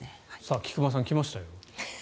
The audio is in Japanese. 菊間さん来ましたよ。